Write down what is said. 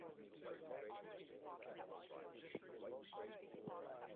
Credits from the back cover of the album.